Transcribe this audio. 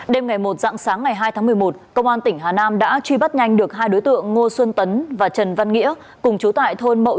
đêm ngày một dạng sáng ngày hai tháng một mươi một công an tỉnh hà nam đã truy bắt nhanh được hai đối tượng ngô xuân tấn và trần văn nghĩa cùng chú tại thôn mậu